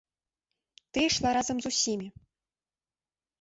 Ты ішла разам з усімі.